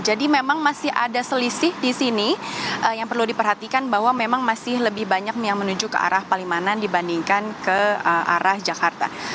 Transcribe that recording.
jadi memang masih ada selisih di sini yang perlu diperhatikan bahwa memang masih lebih banyak yang menuju ke arah palimanan dibandingkan ke arah jakarta